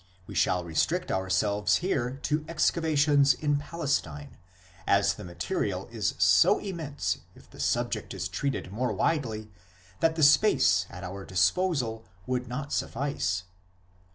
We shall restrict ourselves here to excavations in Palestine, as the material is so immense if the subject is treated more widely that the space at our disposal would not suffice.